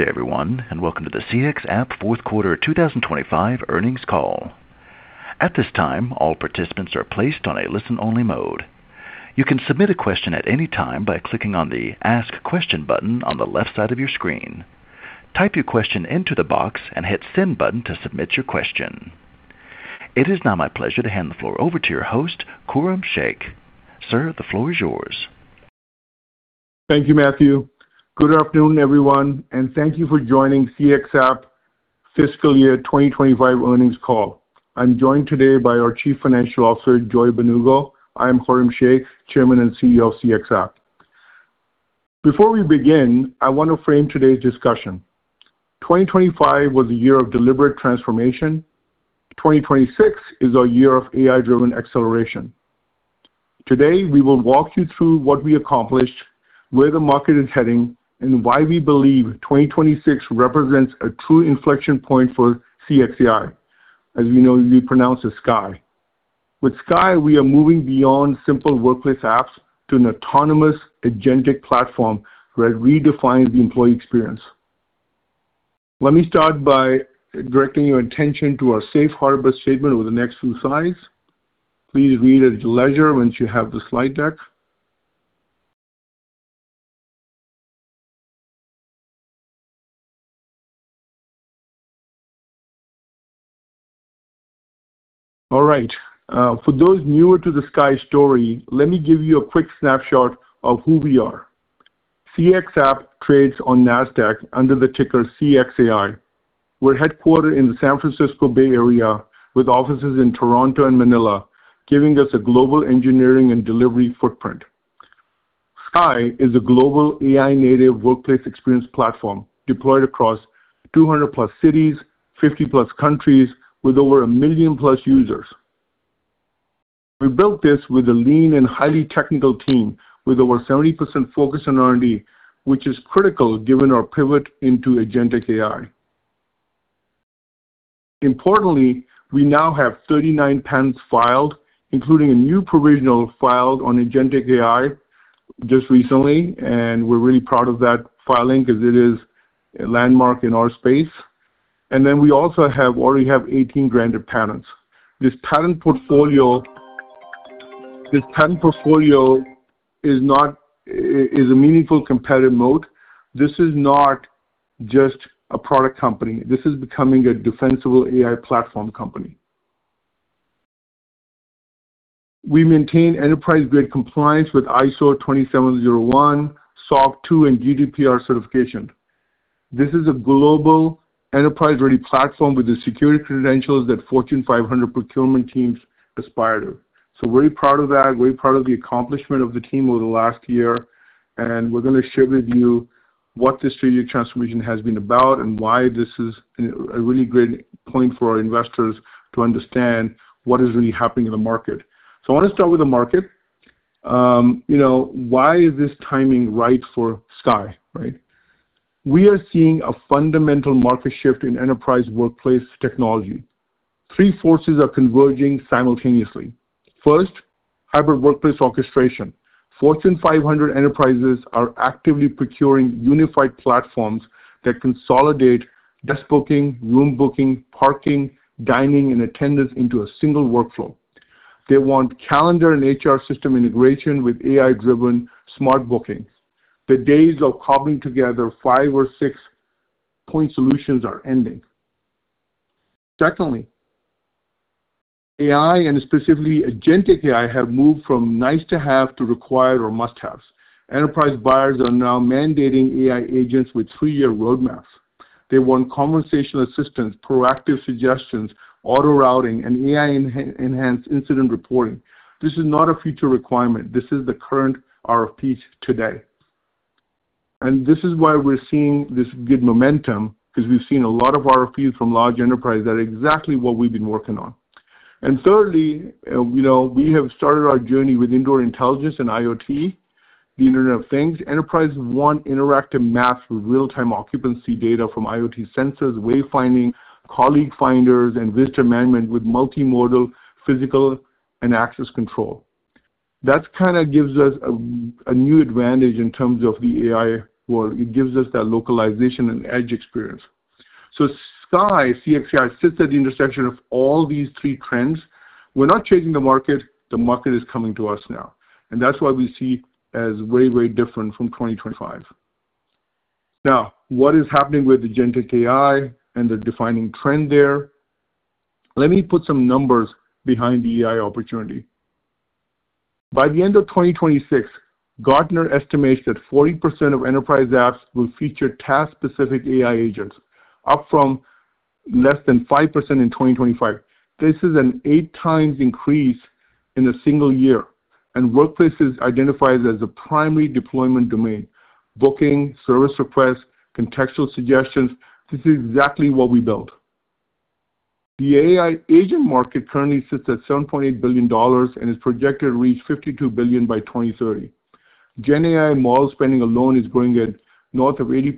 Good day everyone, and welcome to the CXApp fourth quarter 2025 earnings call. At this time, all participants are placed on a listen-only mode. You can submit a question at any time by clicking on the Ask Question button on the left side of your screen. Type your question into the box and hit Send button to submit your question. It is now my pleasure to hand the floor over to your host, Khurram Sheikh. Sir, the floor is yours. Thank you, Matthew. Good afternoon, everyone, and thank you for joining CXApp fiscal year 2025 earnings call. I'm joined today by our Chief Financial Officer, Joy Mbanugo. I am Khurram Sheikh, Chairman and CEO of CXApp. Before we begin, I want to frame today's discussion. 2025 was a year of deliberate transformation. 2026 is our year of AI-driven acceleration. Today, we will walk you through what we accomplished, where the market is heading, and why we believe 2026 represents a true inflection point for CXAI. As you know, you pronounce it SKY. With SKY, we are moving beyond simple workplace apps to an autonomous agentic platform that redefines the employee experience. Let me start by directing your attention to our Safe Harbor statement over the next few slides. Please read at your leisure once you have the slide deck. All right. For those newer to the Sky story, let me give you a quick snapshot of who we are. CXApp trades on Nasdaq under the ticker CXAI. We're headquartered in the San Francisco Bay Area with offices in Toronto and Manila, giving us a global engineering and delivery footprint. Sky is a global AI-native workplace experience platform deployed across 200+ cities, 50+ countries, with over 1 million+ users. We built this with a lean and highly technical team with over 70% focus on R&D, which is critical given our pivot into agentic AI. Importantly, we now have 39 patents filed, including a new provisional filed on agentic AI just recently, and we're really proud of that filing because it is a landmark in our space. Then we already have 18 granted patents. This patent portfolio is not... It is a meaningful competitive moat. This is not just a product company. This is becoming a defensible AI platform company. We maintain enterprise-grade compliance with ISO 27001, SOC 2, and GDPR certification. This is a global enterprise-ready platform with the security credentials that Fortune 500 procurement teams aspire to. Very proud of that. Very proud of the accomplishment of the team over the last year, and we're gonna share with you what this three-year transformation has been about and why this is, you know, a really great point for our investors to understand what is really happening in the market. I want to start with the market. You know, why is this timing right for Sky, right? We are seeing a fundamental market shift in enterprise workplace technology. Three forces are converging simultaneously. First, hybrid workplace orchestration. Fortune 500 enterprises are actively procuring unified platforms that consolidate desk booking, room booking, parking, dining, and attendance into a single workflow. They want calendar and HR system integration with AI-driven smart booking. The days of cobbling together five or six point solutions are ending. Secondly, AI and specifically agentic AI have moved from nice to have to require or must-haves. Enterprise buyers are now mandating AI agents with three-year roadmaps. They want conversational assistance, proactive suggestions, auto routing, and AI-enhanced incident reporting. This is not a future requirement. This is the current RFPs today. This is why we're seeing this good momentum because we've seen a lot of RFPs from large enterprise that are exactly what we've been working on. Thirdly, you know, we have started our journey with indoor intelligence and IoT, the Internet of Things. Enterprises want interactive maps with real-time occupancy data from IoT sensors, wayfinding, colleague finders, and visitor management with multimodal physical and access control. That kinda gives us a new advantage in terms of the AI world. It gives us that localization and edge experience. Sky, CXAI, sits at the intersection of all these three trends. We're not chasing the market. The market is coming to us now, and that's why we see as way different from 2025. Now, what is happening with agentic AI and the defining trend there? Let me put some numbers behind the AI opportunity. By the end of 2026, Gartner estimates that 40% of enterprise apps will feature task-specific AI agents, up from less than 5% in 2025. This is an 8x increase in a single year, and workplaces identifies as a primary deployment domain. Booking, service requests, contextual suggestions. This is exactly what we built. The AI agent market currently sits at $7.8 billion and is projected to reach $52 billion by 2030. Gen AI model spending alone is growing at north of 80%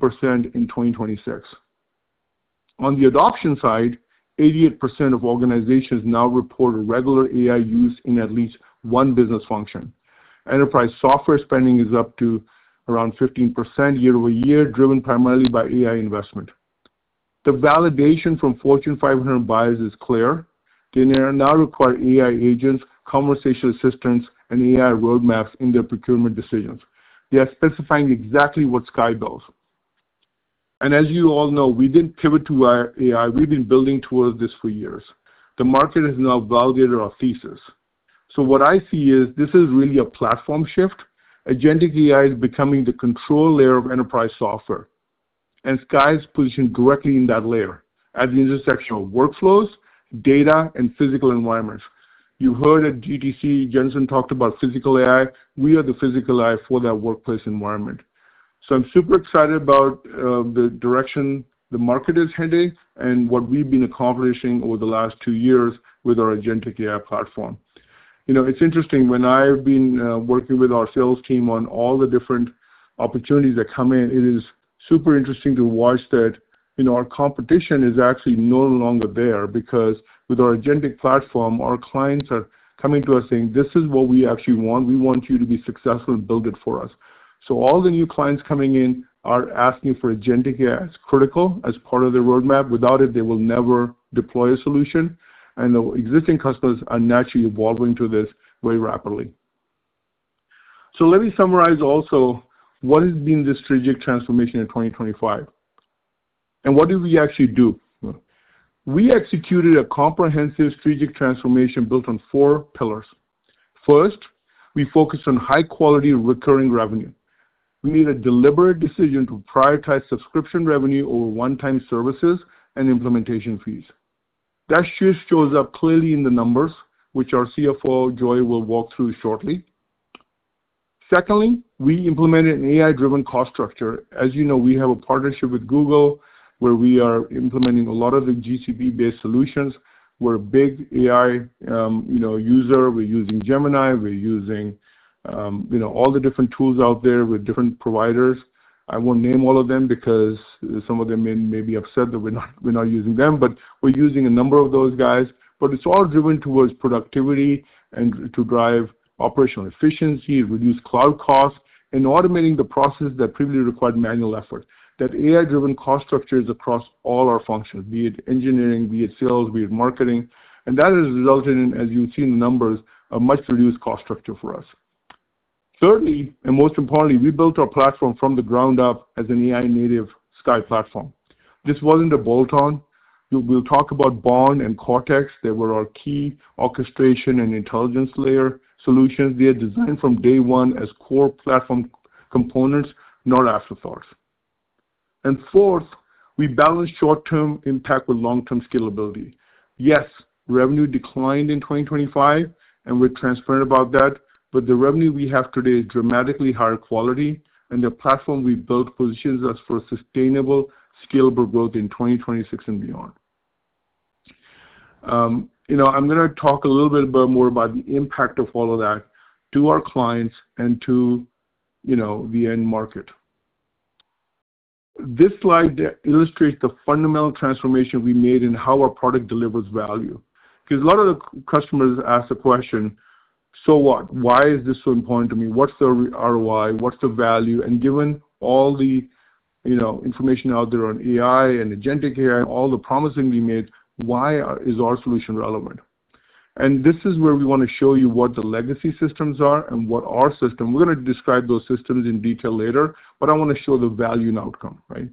in 2026. On the adoption side, 88% of organizations now report a regular AI use in at least one business function. Enterprise software spending is up to around 15% year-over-year, driven primarily by AI investment. The validation from Fortune 500 buyers is clear. They now require AI agents, conversational assistants, and AI roadmaps in their procurement decisions. They are specifying exactly what Sky does. As you all know, we didn't pivot to our AI. We've been building towards this for years. The market has now validated our thesis. What I see is this is really a platform shift. Agentic AI is becoming the control layer of enterprise software, and Sky is positioned directly in that layer at the intersection of workflows, data, and physical environments. You heard at GTC, Jensen talked about physical AI. We are the physical AI for that workplace environment. I'm super excited about the direction the market is heading and what we've been accomplishing over the last two years with our agentic AI platform. You know, it's interesting, when I've been working with our sales team on all the different opportunities that come in, it is super interesting to watch that, you know, our competition is actually no longer there because with our agentic platform, our clients are coming to us saying, "This is what we actually want. We want you to be successful and build it for us." All the new clients coming in are asking for agentic AI as critical, as part of their roadmap. Without it, they will never deploy a solution, and the existing customers are naturally evolving to this very rapidly. Let me summarize also what has been the strategic transformation in 2025, and what did we actually do? We executed a comprehensive strategic transformation built on four pillars. First, we focused on high quality recurring revenue. We made a deliberate decision to prioritize subscription revenue over one-time services and implementation fees. That shift shows up clearly in the numbers, which our CFO, Joy, will walk through shortly. Secondly, we implemented an AI-driven cost structure. As you know, we have a partnership with Google where we are implementing a lot of the GCP-based solutions. We're a big AI, you know, user. We're using Gemini. We're using, you know, all the different tools out there with different providers. I won't name all of them because some of them may be upset that we're not using them, but we're using a number of those guys. It's all driven towards productivity and to drive operational efficiency, reduce cloud costs, and automating the processes that previously required manual effort. That AI-driven cost structure is across all our functions, be it engineering, be it sales, be it marketing. That has resulted in, as you've seen the numbers, a much reduced cost structure for us. Thirdly, and most importantly, we built our platform from the ground up as an AI-native Sky platform. This wasn't a bolt-on. We'll talk about BOND and CORTEX. They were our key orchestration and intelligence layer solutions. They are designed from day one as core platform components, not afterthoughts. Fourth, we balanced short-term impact with long-term scalability. Yes, revenue declined in 2025, and we're transparent about that, but the revenue we have today is dramatically higher quality, and the platform we built positions us for sustainable, scalable growth in 2026 and beyond. You know, I'm gonna talk a little bit more about the impact of all of that to our clients and to, you know, the end market. This slide illustrates the fundamental transformation we made in how our product delivers value. 'Cause a lot of the customers ask the question, "So what? Why is this so important to me? What's the ROI? What's the value?" Given all the, you know, information out there on AI and agentic AI, all the promises we made, why is our solution relevant? This is where we wanna show you what the legacy systems are and what our system. We're gonna describe those systems in detail later, but I wanna show the value and outcome, right?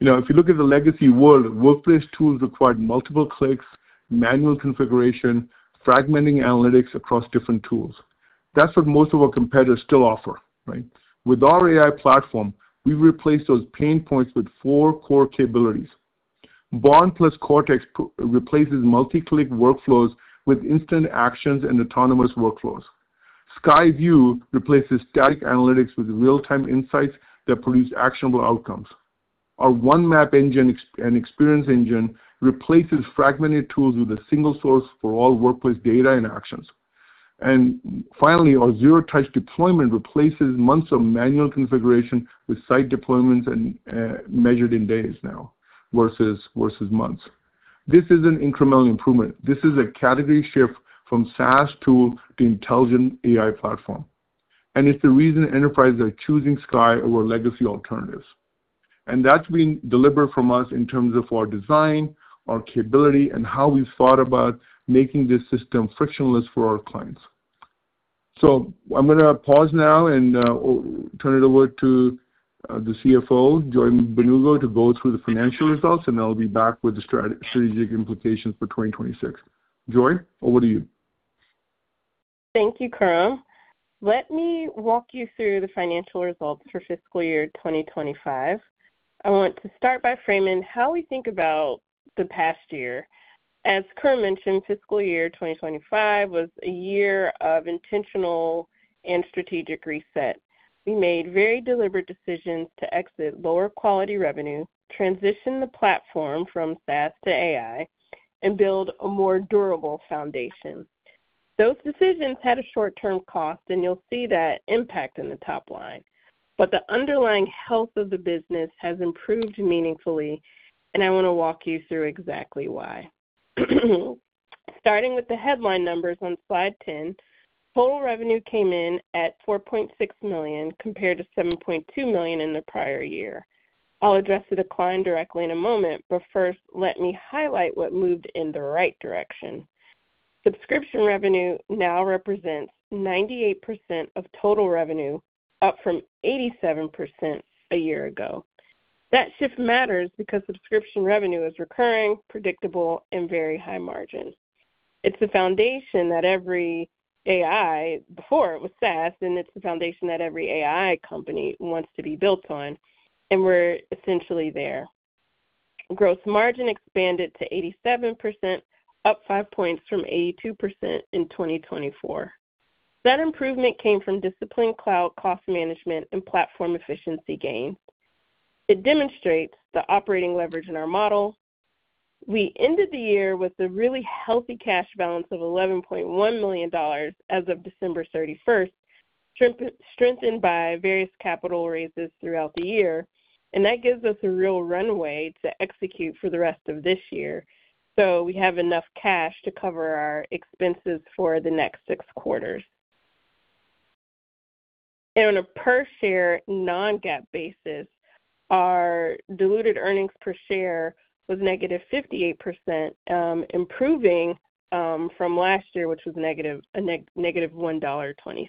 You know, if you look at the legacy world, workplace tools required multiple clicks, manual configuration, fragmenting analytics across different tools. That's what most of our competitors still offer, right? With our AI platform, we replace those pain points with four core capabilities. BOND and CORTEX replaces multi-click workflows with instant actions and autonomous workflows. SkyView replaces static analytics with real-time insights that produce actionable outcomes. Our One Map Experience engine replaces fragmented tools with a single source for all workplace data and actions. Finally, our zero-touch deployment replaces months of manual configuration with site deployments and, measured in days now versus months. This is an incremental improvement. This is a category shift from SaaS tool to intelligent AI platform, and it's the reason enterprises are choosing Sky over legacy alternatives. That's been deliberate from us in terms of our design, our capability, and how we've thought about making this system frictionless for our clients. I'm gonna pause now and turn it over to the CFO, Joy Mbanugo, to go through the financial results, and I'll be back with the strategic implications for 2026. Joy, over to you. Thank you, Khurram. Let me walk you through the financial results for fiscal year 2025. I want to start by framing how we think about the past year. As Khurram mentioned, fiscal year 2025 was a year of intentional and strategic reset. We made very deliberate decisions to exit lower quality revenue, transition the platform from SaaS to AI, and build a more durable foundation. Those decisions had a short-term cost, and you'll see that impact in the top line. The underlying health of the business has improved meaningfully, and I want to walk you through exactly why. Starting with the headline numbers on slide 10, total revenue came in at $4.6 million, compared to $7.2 million in the prior year. I'll address the decline directly in a moment, but first let me highlight what moved in the right direction. Subscription revenue now represents 98% of total revenue, up from 87% a year ago. That shift matters because subscription revenue is recurring, predictable, and very high margin. It's the foundation that every AI, before it was SaaS, and it's the foundation that every AI company wants to be built on, and we're essentially there. Gross margin expanded to 87%, up five points from 82% in 2024. That improvement came from disciplined cloud cost management and platform efficiency gain. It demonstrates the operating leverage in our model. We ended the year with a really healthy cash balance of $11.1 million as of December 31, strengthened by various capital raises throughout the year, and that gives us a real runway to execute for the rest of this year. We have enough cash to cover our expenses for the next six quarters. On a per-share non-GAAP basis, our diluted earnings per share was negative $0.58, improving from last year, which was negative $1.20.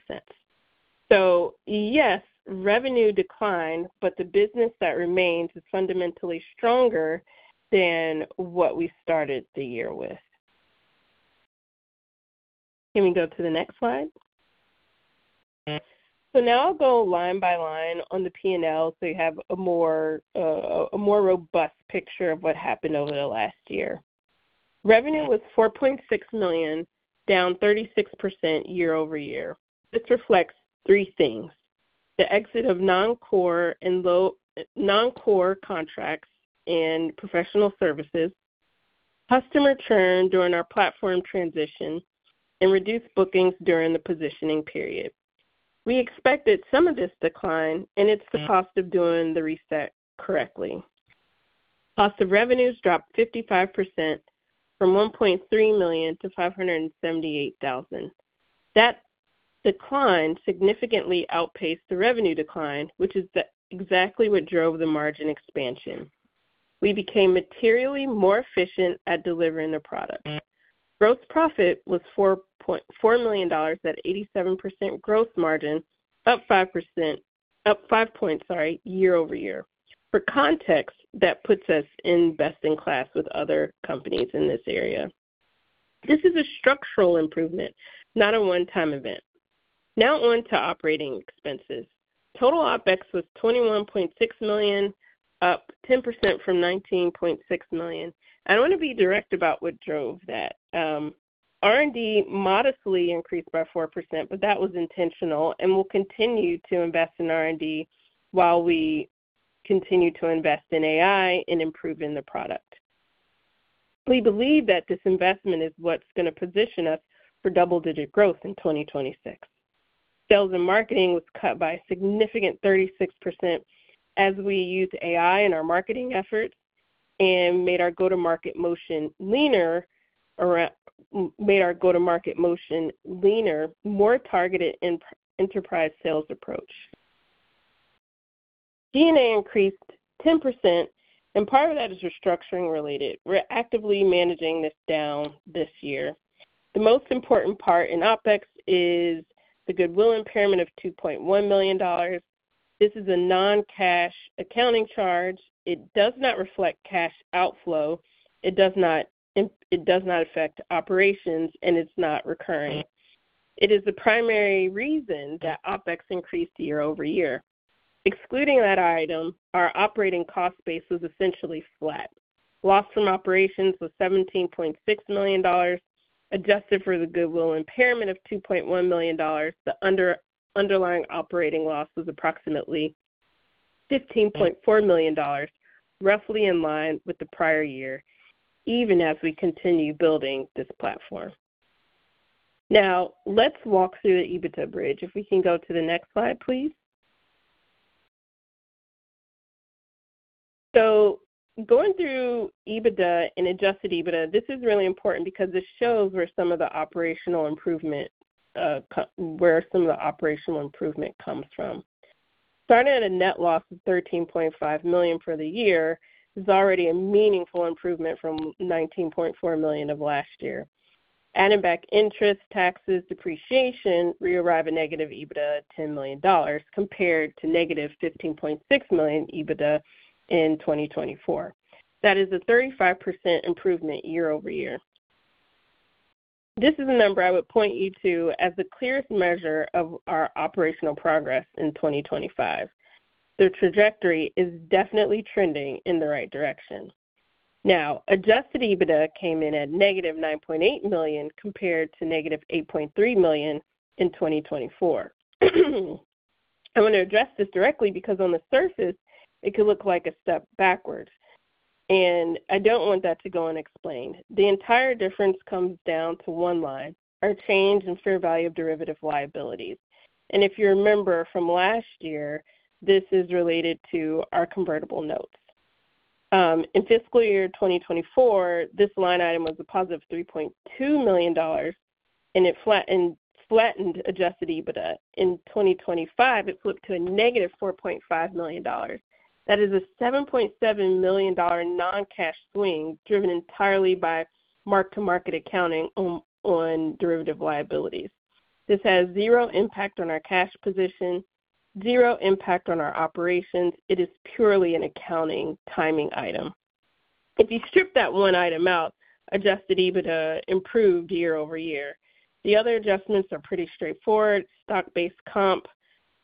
Yes, revenue declined, but the business that remains is fundamentally stronger than what we started the year with. Can we go to the next slide? Now I'll go line by line on the P&L, so you have a more robust picture of what happened over the last year. Revenue was $4.6 million, down 36% year-over-year. This reflects three things, the exit of non-core and low-margin contracts and professional services, customer churn during our platform transition, and reduced bookings during the positioning period. We expected some of this decline, and it's the cost of doing the reset correctly. Cost of revenues dropped 55% from $1.3 million to $578,000. That decline significantly outpaced the revenue decline, which is exactly what drove the margin expansion. We became materially more efficient at delivering the product. Gross profit was $4.4 million at 87% gross margin, up five points, sorry, year over year. For context, that puts us in best in class with other companies in this area. This is a structural improvement, not a one-time event. Now on to operating expenses. Total OpEx was $21.6 million, up 10% from $19.6 million. I want to be direct about what drove that. R&D modestly increased by 4%, but that was intentional, and we will continue to invest in R&D while we continue to invest in AI and improve the product. We believe that this investment is what's going to position us for double-digit growth in 2026. Sales and marketing was cut by a significant 36% as we used AI in our marketing efforts and made our go-to-market motion leaner, more targeted in enterprise sales approach. G&A increased 10%, and part of that is restructuring related. We're actively managing this down this year. The most important part in OpEx is the goodwill impairment of $2.1 million. This is a non-cash accounting charge. It does not reflect cash outflow. It does not affect operations, and it's not recurring. It is the primary reason that OpEx increased year-over-year. Excluding that item, our operating cost base was essentially flat. Loss from operations was $17.6 million. Adjusted for the goodwill impairment of $2.1 million, the underlying operating loss was approximately $15.4 million, roughly in line with the prior year, even as we continue building this platform. Now let's walk through the EBITDA bridge. If we can go to the next slide, please. Going through EBITDA and adjusted EBITDA, this is really important because this shows where some of the operational improvement comes from. Starting at a net loss of $13.5 million for the year is already a meaningful improvement from $19.4 million of last year. Adding back interest, taxes, depreciation, we arrive at EBITDA of -$10 million compared to -$15.6 million EBITDA in 2024. That is a 35% improvement year-over-year. This is a number I would point you to as the clearest measure of our operational progress in 2025. The trajectory is definitely trending in the right direction. Now, adjusted EBITDA came in at -$9.8 million compared to -$8.3 million in 2024. I'm gonna address this directly because on the surface it could look like a step backwards, and I don't want that to go unexplained. The entire difference comes down to one line, our change in fair value of derivative liabilities. If you remember from last year, this is related to our convertible notes. In fiscal year 2024, this line item was a +$3.2 million, and it flattened adjusted EBITDA. In 2025, it flipped to a -$4.5 million. That is a $7.7 million non-cash swing driven entirely by mark-to-market accounting on derivative liabilities. This has zero impact on our cash position, zero impact on our operations. It is purely an accounting timing item. If you strip that one item out, adjusted EBITDA improved year-over-year. The other adjustments are pretty straightforward. Stock-based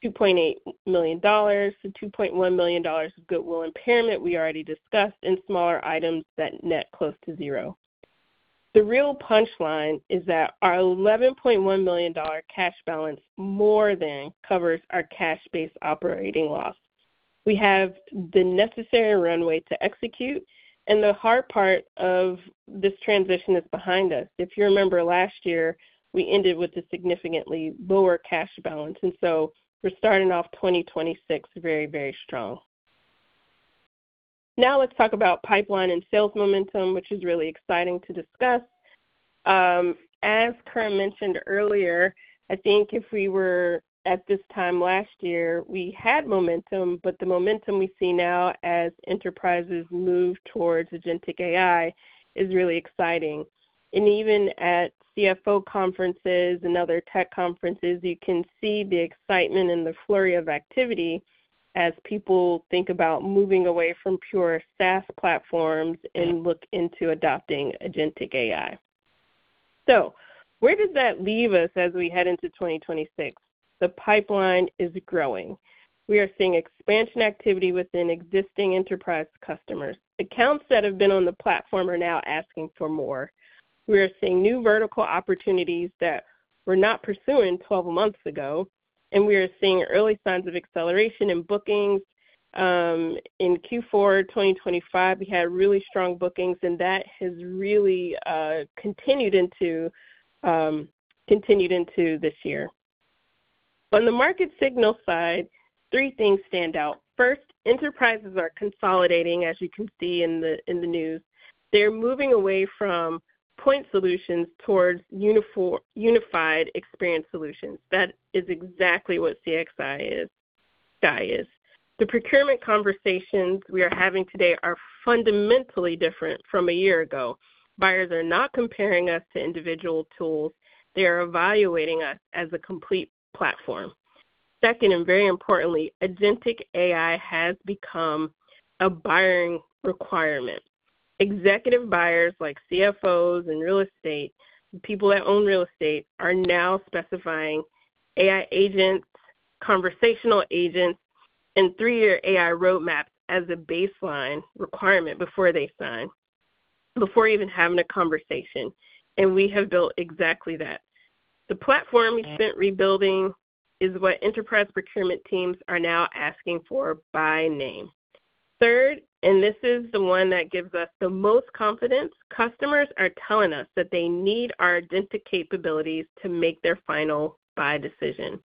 comp, $2.8 million. The $2.1 million of goodwill impairment we already discussed, and smaller items that net close to zero. The real punchline is that our $11.1 million cash balance more than covers our cash-based operating loss. We have the necessary runway to execute, and the hard part of this transition is behind us. If you remember last year, we ended with a significantly lower cash balance, and so we're starting off 2026 very, very strong. Now let's talk about pipeline and sales momentum, which is really exciting to discuss. As Khurram mentioned earlier, I think if we were at this time last year, we had momentum, but the momentum we see now as enterprises move towards agentic AI is really exciting. Even at CFO conferences and other tech conferences, you can see the excitement and the flurry of activity as people think about moving away from pure SaaS platforms and look into adopting agentic AI. Where does that leave us as we head into 2026? The pipeline is growing. We are seeing expansion activity within existing enterprise customers. Accounts that have been on the platform are now asking for more. We are seeing new vertical opportunities that we're not pursuing 12 months ago, and we are seeing early signs of acceleration in bookings. In Q4 2025, we had really strong bookings, and that has really continued into this year. On the market signal side, three things stand out. First, enterprises are consolidating, as you can see in the news. They're moving away from point solutions towards unified experience solutions. That is exactly what CXAI is. Sky is. The procurement conversations we are having today are fundamentally different from a year ago. Buyers are not comparing us to individual tools. They are evaluating us as a complete platform. Second, and very importantly, agentic AI has become a buying requirement. Executive buyers like CFOs and real estate, people that own real estate, are now specifying AI agents, conversational agents, and three-year AI roadmaps as a baseline requirement before they sign, before even having a conversation. We have built exactly that. The platform we spent rebuilding is what enterprise procurement teams are now asking for by name. Third, this is the one that gives us the most confidence. Customers are telling us that they need our agentic capabilities to make their final buy decision.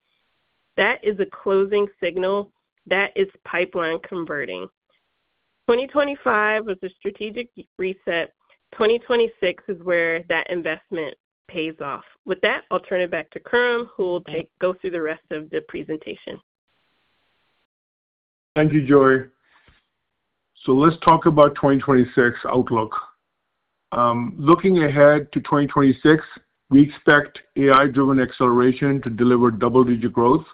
That is a closing signal. That is pipeline converting. 2025 was a strategic reset. 2026 is where that investment pays off. With that, I'll turn it back to Khurram, who will go through the rest of the presentation. Thank you, Joy. Let's talk about 2026 outlook. Looking ahead to 2026, we expect AI-driven acceleration to deliver double-digit growth.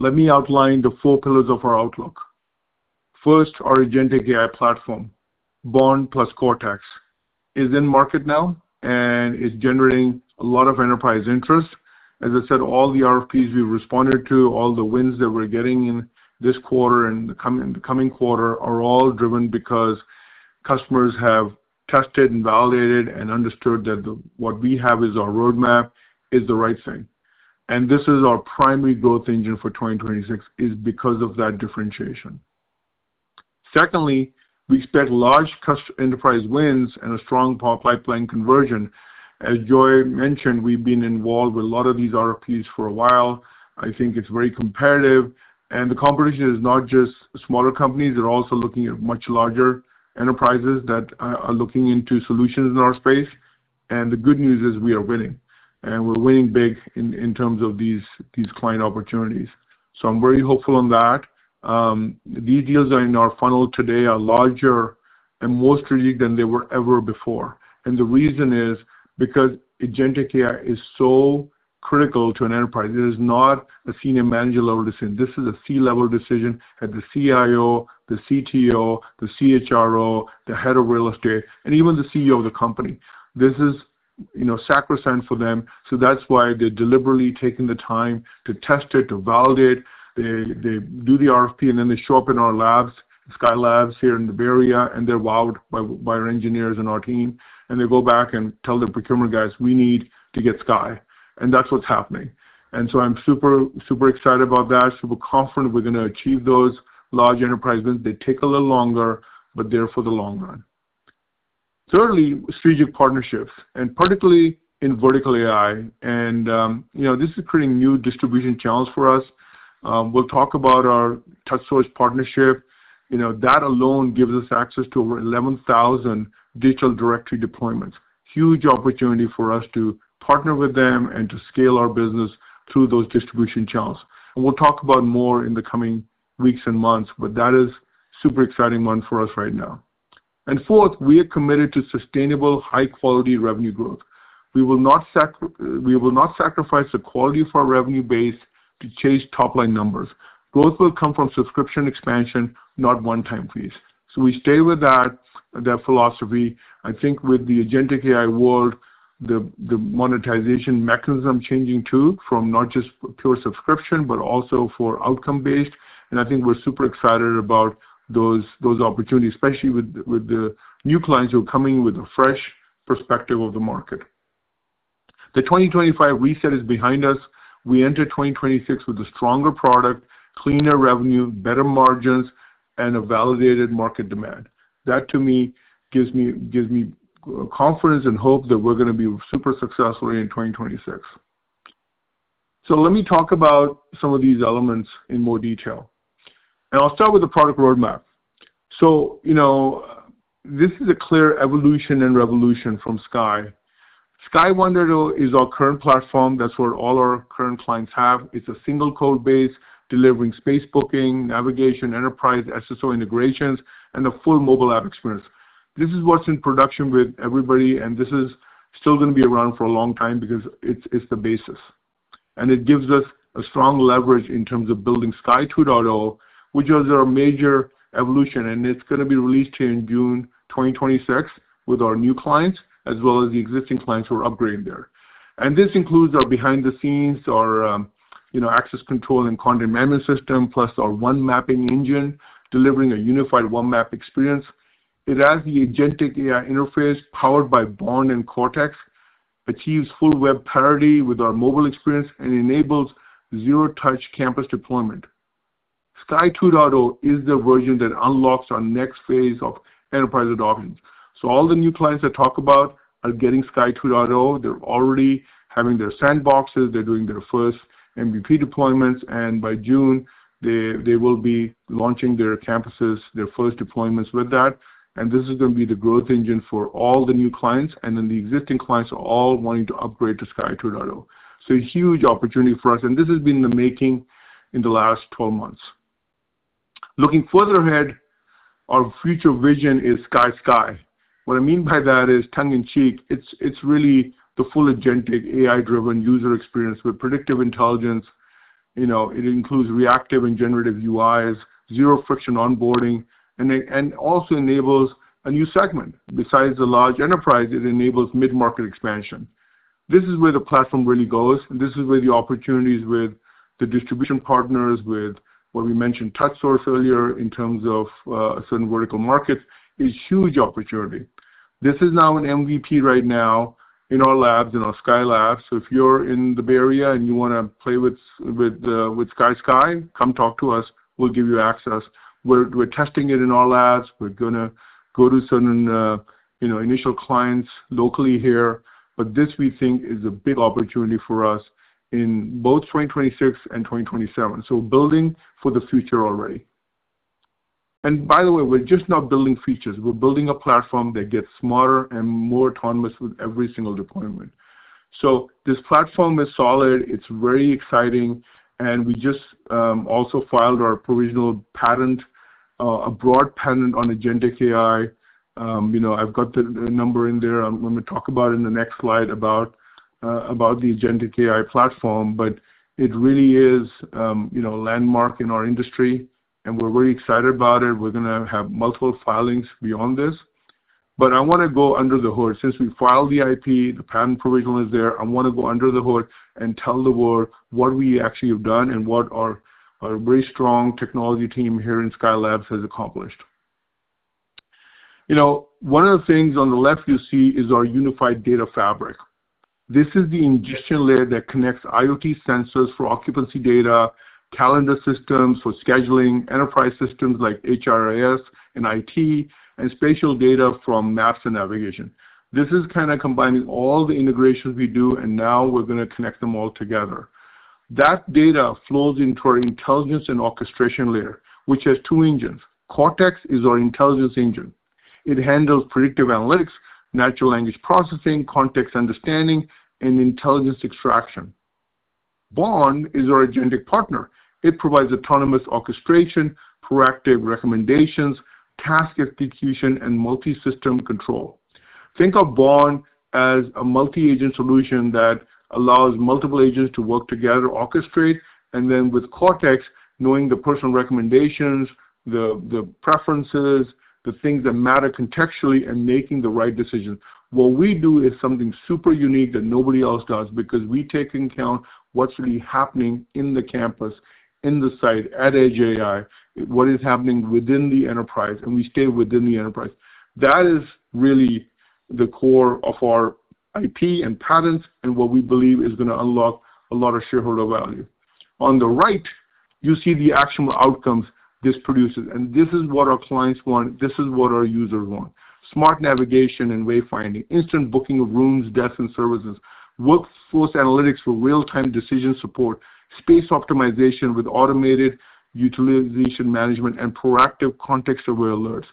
Let me outline the four pillars of our outlook. First, our agentic AI platform, BOND plus CORTEX, is in market now and is generating a lot of enterprise interest. As I said, all the RFPs we responded to, all the wins that we're getting in this quarter and the coming quarter are all driven because customers have tested and validated and understood that what we have as our roadmap is the right thing. This is our primary growth engine for 2026 is because of that differentiation. Secondly, we expect large enterprise wins and a strong pipeline conversion. As Joy mentioned, we've been involved with a lot of these RFPs for a while. I think it's very competitive, and the competition is not just smaller companies. They're also looking at much larger enterprises that are looking into solutions in our space. The good news is we are winning, and we're winning big in terms of these client opportunities. I'm very hopeful on that. The deals that are in our funnel today are larger and more strategic than they were ever before. The reason is because agentic AI is so critical to an enterprise. It is not a senior manager-level decision. This is a C-level decision at the CIO, the CTO, the CHRO, the head of real estate, and even the CEO of the company. This is, you know, sacrosanct for them. That's why they're deliberately taking the time to test it, to validate. They do the RFP, and then they show up in our labs, Sky Labs here in the Bay Area, and they're wowed by our engineers and our team. They go back and tell the procurement guys, "We need to get Sky." That's what's happening. I'm super excited about that, super confident we're gonna achieve those large enterprise wins. They take a little longer, but they're for the long run. Thirdly, strategic partnerships, and particularly in vertical AI. You know, this is creating new distribution channels for us. We'll talk about our TouchSource partnership. You know, that alone gives us access to over 11,000 digital directory deployments. Huge opportunity for us to partner with them and to scale our business through those distribution channels. We'll talk about more in the coming weeks and months, but that is super exciting one for us right now. Fourth, we are committed to sustainable high-quality revenue growth. We will not sacrifice the quality of our revenue base to chase top-line numbers. Growth will come from subscription expansion, not one-time fees. We stay with that philosophy. I think with the agentic AI world, the monetization mechanism changing too from not just pure subscription, but also for outcome-based. We're super excited about those opportunities, especially with the new clients who are coming with a fresh perspective of the market. The 2025 reset is behind us. We enter 2026 with a stronger product, cleaner revenue, better margins, and a validated market demand. That to me gives me confidence and hope that we're gonna be super successful in 2026. Let me talk about some of these elements in more detail, and I'll start with the product roadmap. You know, this is a clear evolution and revolution from Sky. Sky 1.0 is our current platform. That's what all our current clients have. It's a single code base delivering space booking, navigation, enterprise SSO integrations, and a full mobile app experience. This is what's in production with everybody, and this is still gonna be around for a long time because it's the basis. It gives us a strong leverage in terms of building Sky 2.0, which is our major evolution, and it's gonna be released here in June 2026 with our new clients, as well as the existing clients who are upgrading there. This includes our behind-the-scenes, access control and content management system, plus our One Map engine, delivering a unified One Map Experience. It has the agentic AI interface powered by BOND and CORTEX, achieves full web parity with our mobile experience and enables zero-touch campus deployment. Sky 2.0 is the version that unlocks our next phase of enterprise adoption. All the new clients I talk about are getting Sky 2.0. They're already having their sandboxes. They're doing their first MVP deployments, and by June, they will be launching their campuses, their first deployments with that. This is gonna be the growth engine for all the new clients and then the existing clients are all wanting to upgrade to Sky 2.0. A huge opportunity for us. This has been in the making in the last 12 months. Looking further ahead, our future vision is Sky Sky. What I mean by that is tongue-in-cheek. It's really the full agentic AI-driven user experience with predictive intelligence. You know, it includes reactive and generative UIs, zero-friction onboarding, and also enables a new segment. Besides the large enterprise, it enables mid-market expansion. This is where the platform really goes, and this is where the opportunities with the distribution partners, with what we mentioned TouchSource earlier in terms of certain vertical markets, is huge opportunity. This is now in MVP right now in our labs, in our Sky labs. So, if you're in the Bay Area and you wanna play with Sky Sky, come talk to us. We'll give you access. We're testing it in our labs. We're gonna go to certain, you know, initial clients locally here. This we think is a big opportunity for us in both 2026 and 2027. Building for the future already. By the way, we're just not building features. We're building a platform that gets smarter and more autonomous with every single deployment. This platform is solid. It's very exciting. We just also filed our provisional patent, a broad patent on agentic AI. You know, I've got the number in there. I'm gonna talk about in the next slide about the agentic AI platform, but it really is, you know, a landmark in our industry, and we're very excited about it. We're gonna have multiple filings beyond this. I wanna go under the hood. Since we filed the IP, the patent provision is there. I wanna go under the hood and tell the world what we actually have done and what our very strong technology team here in Sky Labs has accomplished. You know, one of the things on the left you see is our unified data fabric. This is the ingestion layer that connects IoT sensors for occupancy data, calendar systems for scheduling, enterprise systems like HRIS and IT, and spatial data from maps and navigation. This is kinda combining all the integrations we do, and now we're gonna connect them all together. That data flows into our intelligence and orchestration layer, which has two engines. CORTEX is our intelligence engine. It handles predictive analytics, natural language processing, context understanding, and intelligence extraction. BOND is our agentic partner. It provides autonomous orchestration, proactive recommendations, task execution, and multi-system control. Think of BOND as a multi-agent solution that allows multiple agents to work together, orchestrate, and then with CORTEX, knowing the personal recommendations, the preferences, the things that matter contextually, and making the right decision. What we do is something super unique that nobody else does because we take into account what's really happening in the campus, in the site, at edge AI, what is happening within the enterprise, and we stay within the enterprise. That is really the core of our IP and patents and what we believe is gonna unlock a lot of shareholder value. On the right, you see the actionable outcomes this produces. This is what our clients want, this is what our users want. Smart navigation and way finding, instant booking of rooms, desks, and services, workforce analytics for real-time decision support, space optimization with automated utilization management, and proactive context-aware alerts.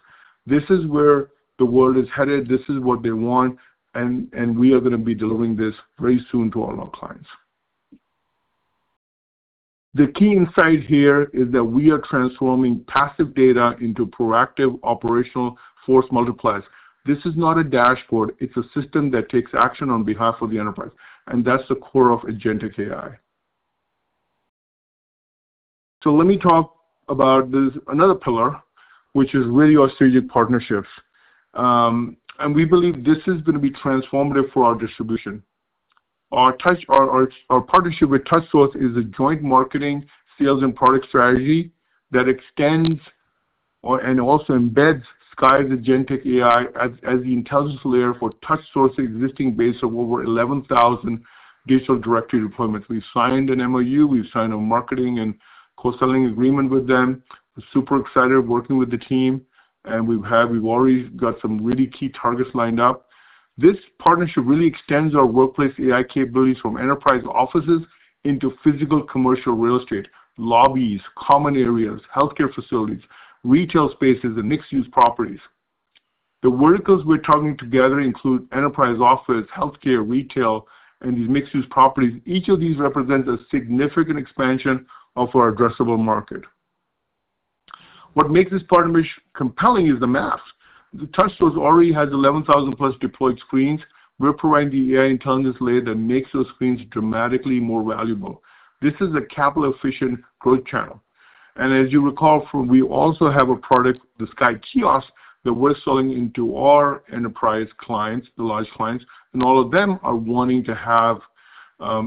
This is where the world is headed. This is what they want. We are gonna be delivering this very soon to all our clients. The key insight here is that we are transforming passive data into proactive operational force multipliers. This is not a dashboard, it's a system that takes action on behalf of the enterprise, and that's the core of agentic AI. Let me talk about this, another pillar, which is really our strategic partnerships. We believe this is gonna be transformative for our distribution. Our partnership with TouchSource is a joint marketing, sales, and product strategy that extends and also embeds Sky's agentic AI as the intelligence layer for TouchSource's existing base of over 11,000 digital directory deployments. We've signed an MOU; we've signed a marketing and co-selling agreement with them. We're super excited working with the team, and we've already got some really key targets lined up. This partnership really extends our workplace AI capabilities from enterprise offices into physical commercial real estate, lobbies, common areas, healthcare facilities, retail spaces, and mixed-use properties. The verticals we're targeting together include enterprise office, healthcare, retail, and these mixed-use properties. Each of these represents a significant expansion of our addressable market. What makes this partnership compelling is the math. TouchSource already has 11,000+ deployed screens. We're providing the AI intelligence layer that makes those screens dramatically more valuable. This is a capital-efficient growth channel. As you recall, we also have a product, the CXAI Kiosk, that we're selling into our enterprise clients, the large clients, and all of them are wanting to have,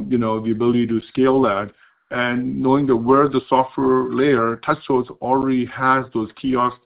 you know, the ability to scale that. Knowing that we're the software layer, TouchSource already has those kiosk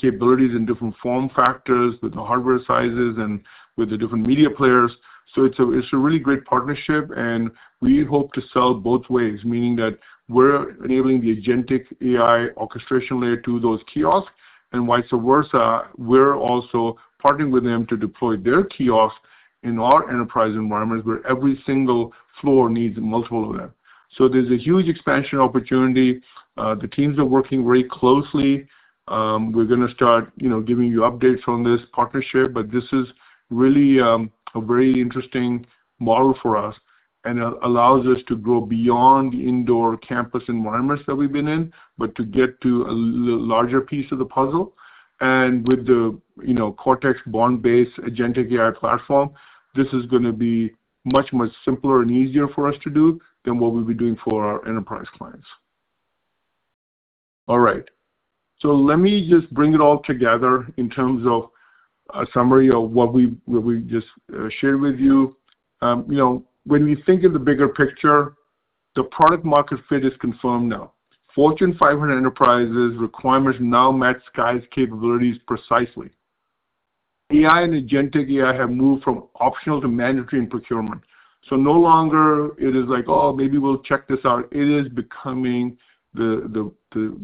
capabilities in different form factors with the hardware sizes and with the different media players. It's a really great partnership, and we hope to sell both ways, meaning that we're enabling the agentic AI orchestration layer to those kiosks. Vice versa, we're also partnering with them to deploy their kiosks in our enterprise environments, where every single floor needs multiple of them. There's a huge expansion opportunity. The teams are working very closely. We're gonna start, you know, giving you updates on this partnership, but this is really a very interesting model for us and allows us to go beyond indoor campus environments that we've been in, but to get to a larger piece of the puzzle. With the, you know, CORTEX BOND-based agentic AI platform, this is gonna be much, much simpler and easier for us to do than what we'll be doing for our enterprise clients. All right. Let me just bring it all together in terms of a summary of what we just shared with you. You know, when we think of the bigger picture, the product market fit is confirmed now. Fortune 500 enterprises requirements now match Sky's capabilities precisely. AI and agentic AI have moved from optional to mandatory in procurement. No longer it is like, "Oh, maybe we'll check this out." It is becoming the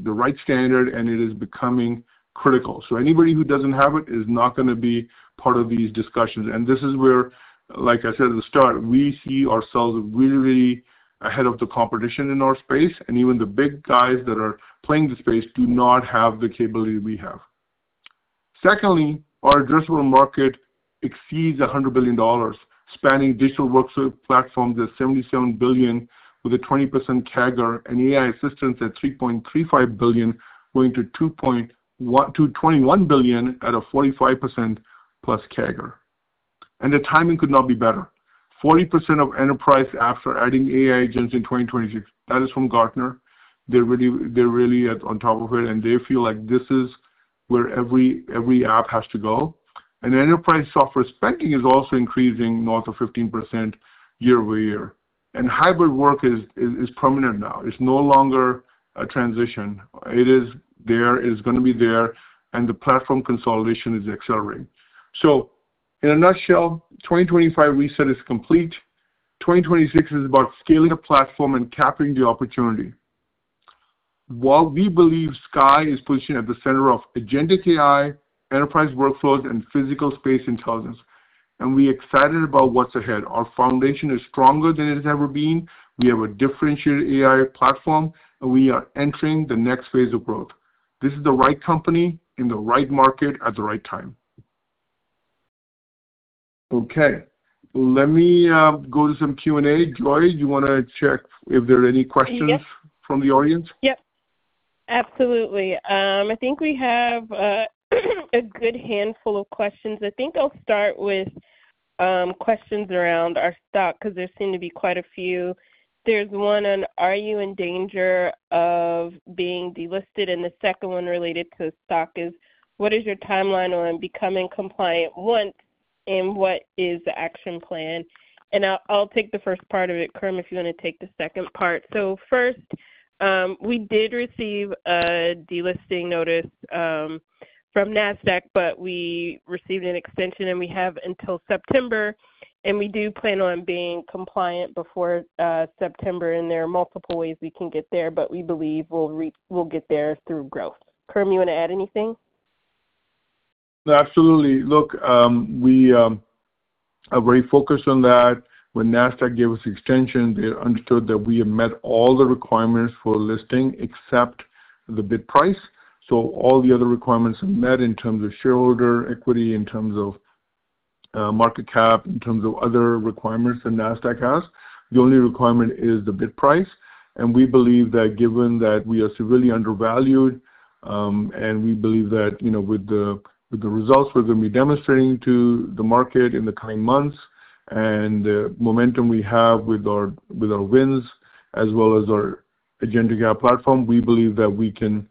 right standard, and it is becoming critical. Anybody who doesn't have it is not gonna be part of these discussions. This is where, like I said at the start, we see ourselves really ahead of the competition in our space, and even the big guys that are playing the space do not have the capability we have. Secondly, our addressable market exceeds $100 billion, spanning digital workspace platforms at $77 billion with a 20% CAGR and AI assistants at $3.35 billion going to $21 billion at a 45%+ CAGR. The timing could not be better. 40% of enterprise apps are adding AI agents in 2026. That is from Gartner. They're really on top of it, and they feel like this is where every app has to go. Enterprise software spending is also increasing north of 15% year-over-year. Hybrid work is permanent now. It's no longer a transition. It is there, it is gonna be there, and the platform consolidation is accelerating. In a nutshell, 2025 reset is complete. 2026 is about scaling the platform and tapping the opportunity. While we believe Sky is positioned at the center of agentic AI, enterprise workflows, and physical space intelligence, and we're excited about what's ahead, our foundation is stronger than it has ever been. We have a differentiated AI platform, and we are entering the next phase of growth. This is the right company in the right market at the right time. Okay. Let me go to some Q&A. Joy, do you wanna check if there are any questions? Yes. From the audience? Yep. Absolutely. I think we have a good handful of questions. I think I'll start with questions around our stock, 'cause there seem to be quite a few. There's one on, are you in danger of being delisted? The second one related to stock is, what is your timeline on becoming compliant once, and what is the action plan? I'll take the first part of it, Khurram, if you wanna take the second part. First, we did receive a delisting notice from Nasdaq, but we received an extension, and we have until September. We do plan on being compliant before September. There are multiple ways we can get there, but we believe we'll get there through growth. Khurram, you want to add anything? Absolutely. Look, we are very focused on that. When Nasdaq gave us the extension, they understood that we have met all the requirements for listing except the bid price. All the other requirements are met in terms of shareholder equity, in terms of market cap, in terms of other requirements that Nasdaq has. The only requirement is the bid price. We believe that given that we are severely undervalued, and we believe that, you know, with the results we're going to be demonstrating to the market in the coming months and the momentum we have with our wins as well as our agentic AI platform, we believe that we can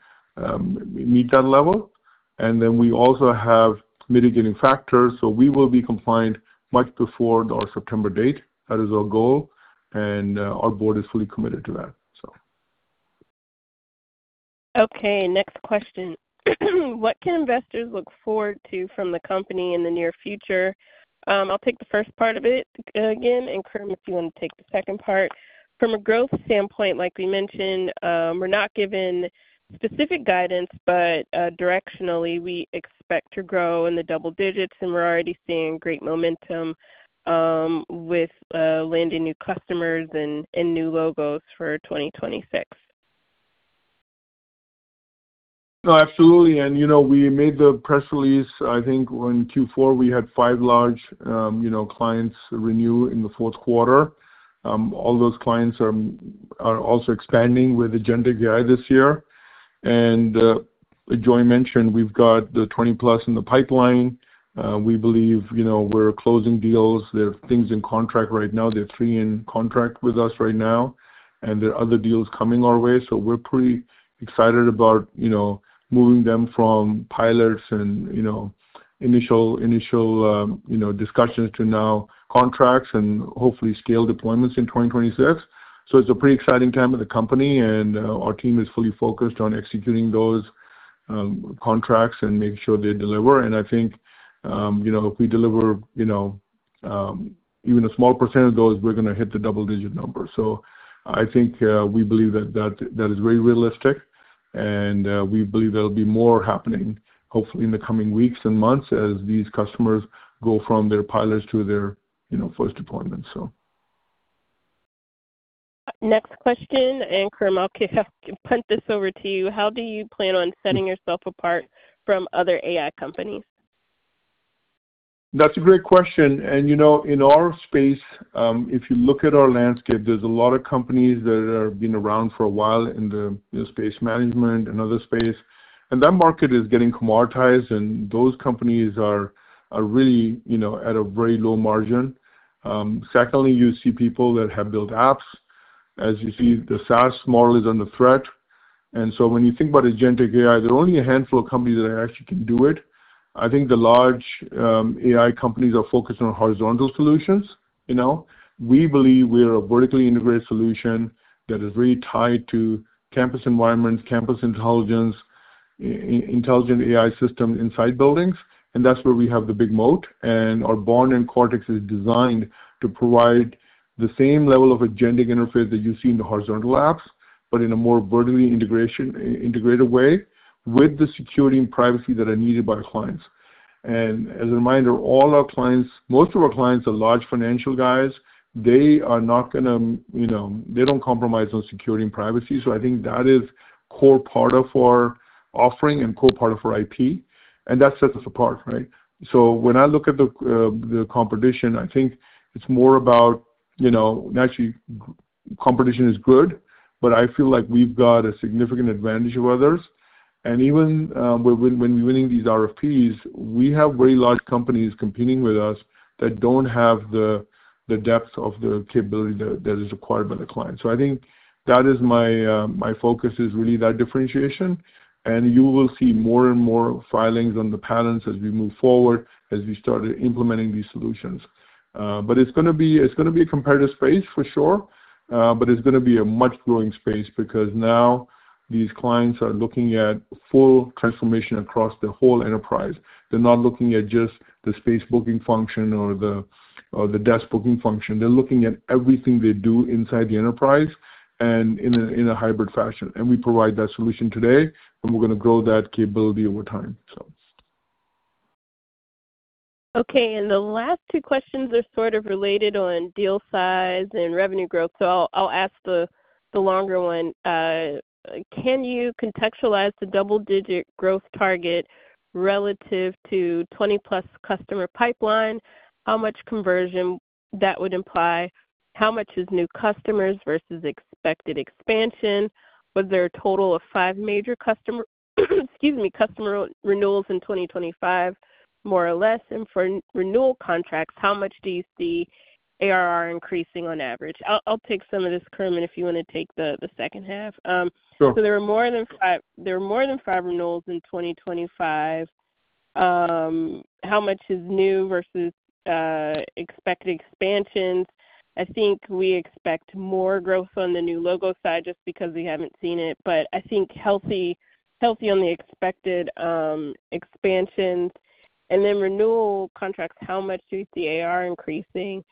meet that level. Then we also have mitigating factors, so we will be compliant much before our September date. That is our goal, and our board is fully committed to that, so. Okay, next question. What can investors look forward to from the company in the near future? I'll take the first part of it again, and Khurram, if you want to take the second part. From a growth standpoint, like we mentioned, we're not given specific guidance, but directionally, we expect to grow in the double digits, and we're already seeing great momentum with landing new customers and new logos for 2026. No, absolutely. You know, we made the press release. I think in Q4, we had five large, you know, clients renew in the fourth quarter. All those clients are also expanding with agentic AI this year. Joy mentioned we've got the 20+ in the pipeline. We believe, you know, we're closing deals. There are things in contract right now. There are three in contract with us right now, and there are other deals coming our way. We're pretty excited about, you know, moving them from pilots and, you know, initial discussions to now contracts and hopefully scale deployments in 2026. It's a pretty exciting time in the company, and our team is fully focused on executing those contracts and making sure they deliver. I think, you know, if we deliver, you know, even a small percent of those, we're gonna hit the double-digit number. I think, we believe that that is very realistic, and we believe there'll be more happening hopefully in the coming weeks and months as these customers go from their pilots to their, you know, first deployment, so. Next question, Khurram. I'll punt this over to you. How do you plan on setting yourself apart from other AI companies? That's a great question. You know, in our space, if you look at our landscape, there's a lot of companies that have been around for a while in the space management and other space. That market is getting commoditized, and those companies are really, you know, at a very low margin. Secondly, you see people that have built apps. As you see, the SaaS model is under threat. When you think about agentic AI, there are only a handful of companies that actually can do it. I think the large AI companies are focused on horizontal solutions, you know. We believe we are a vertically integrated solution that is very tied to campus environments, campus intelligence, intelligent AI systems inside buildings, and that's where we have the big moat. Our BOND and CORTEX is designed to provide the same level of agentic interface that you see in the horizontal apps, but in a more vertically integrated way with the security and privacy that are needed by our clients. As a reminder, most of our clients are large financial guys. They are not gonna, you know, they don't compromise on security and privacy. I think that is core part of our offering and core part of our IP, and that sets us apart, right? When I look at the competition, I think it's more about, you know. Actually, competition is good, but I feel like we've got a significant advantage over others. Even when winning these RFPs, we have very large companies competing with us that don't have the depth of the capability that is required by the client. I think that is my focus is really that differentiation. You will see more and more filings on the patents as we move forward, as we started implementing these solutions. It's gonna be a competitive space for sure, but it's gonna be a much growing space because now these clients are looking at full transformation across the whole enterprise. They're not looking at just the space booking function or the desk booking function. They're looking at everything they do inside the enterprise and in a hybrid fashion. We provide that solution today, and we're gonna grow that capability over time. Okay. The last two questions are sort of related on deal size and revenue growth, so I'll ask the longer one. Can you contextualize the double-digit growth target relative to 20+ customer pipeline? How much conversion that would imply? How much is new customers versus expected expansion? Was there a total of five major customer renewals in 2025, more or less? And for renewal contracts, how much do you see ARR increasing on average? I'll take some of this, Khurram, and if you wanna take the second half. Sure. There were more than five renewals in 2025. How much is new versus expected expansions? I think we expect more growth on the new logo side just because we haven't seen it. I think healthy on the expected expansions. Renewal contracts, how much do you see ARR increasing?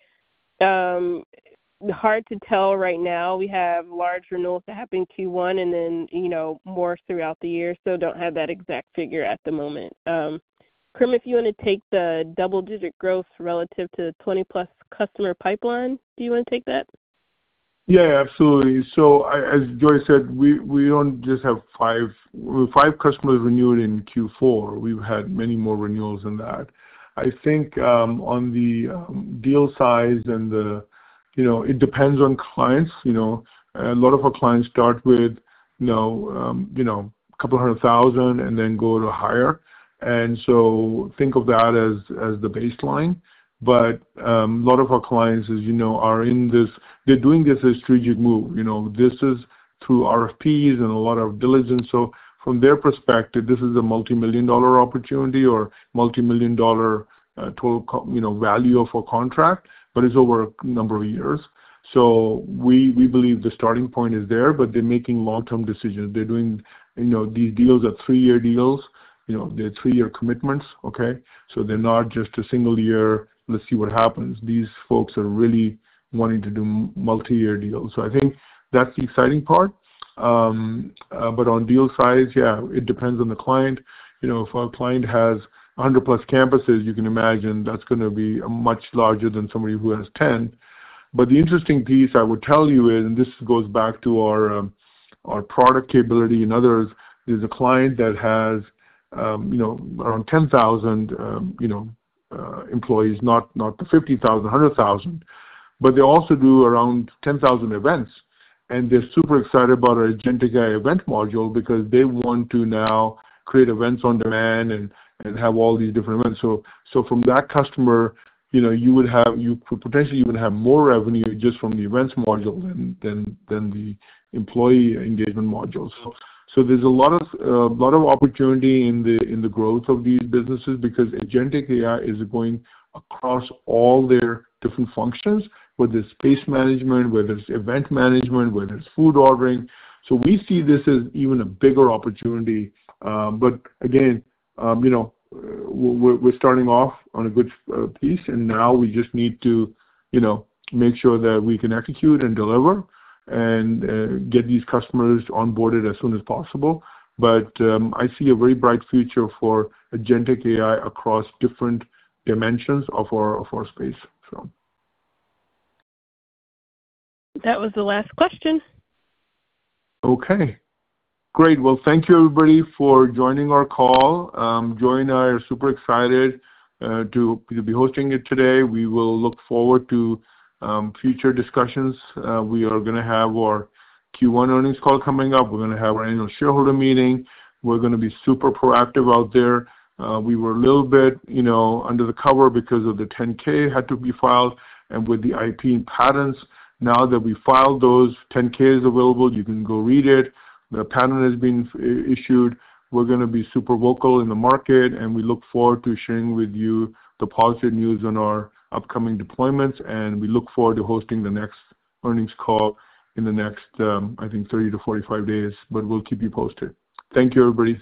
Hard to tell right now. We have large renewals that happen Q1 and then, you know, more throughout the year, so don't have that exact figure at the moment. Khurram, if you wanna take the double-digit growth relative to the 20+ customer pipeline. Do you wanna take that? Yeah, absolutely. As Joy said, we don't just have five. We have five customers renewing in Q4. We've had many more renewals than that. I think on the deal size and the, you know, it depends on clients, you know. A lot of our clients start with, you know, a couple $100,000 and then go to higher. Think of that as the baseline. A lot of our clients, as you know, are in this. They're doing this as strategic move, you know. This is through RFPs and a lot of diligence. From their perspective, this is a multimillion-dollar opportunity or multimillion-dollar value of a contract, but it's over a number of years. We believe the starting point is there, but they're making long-term decisions. They're doing, you know, these deals are three-year deals. You know, they're three-year commitments, okay? They're not just a single year, let's see what happens. These folks are really wanting to do multi-year deals. I think that's the exciting part. But on deal size, yeah, it depends on the client. You know, if our client has 100+ campuses, you can imagine that's gonna be much larger than somebody who has 10. The interesting piece I would tell you is, and this goes back to our product capability and others, is a client that has, you know, around 10,000 employees, not the 50,000, 100,000, but they also do around 10,000 events. They're super excited about our Agentic AI event module because they want to now create events on demand and have all these different events. From that customer, you know, you potentially even have more revenue just from the events module than the employee engagement module. There's a lot of opportunity in the growth of these businesses because Agentic AI is going across all their different functions, whether it's space management, whether it's event management, whether it's food ordering. We see this as even a bigger opportunity, but again, you know, we're starting off on a good piece, and now we just need to, you know, make sure that we can execute and deliver and get these customers onboarded as soon as possible. I see a very bright future for Agentic AI across different dimensions of our space, so. That was the last question. Okay. Great. Well, thank you everybody for joining our call. Joy and I are super excited to be hosting it today. We will look forward to future discussions. We are gonna have our Q1 earnings call coming up. We're gonna have our annual shareholder meeting. We're gonna be super proactive out there. We were a little bit, you know, under the cover because of the 10-K, had to be filed and with the IP and patents. Now that we filed those, 10-K, is available, you can go read it. The patent has been issued. We're gonna be super vocal in the market, and we look forward to sharing with you the positive news on our upcoming deployments, and we look forward to hosting the next earnings call in the next, I think 30 to 45 days, but we'll keep you posted. Thank you everybody.